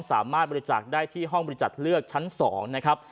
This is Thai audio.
สามารถบริจาคได้ที่ห้องบริจาคเลือกชั้น๒นะครับ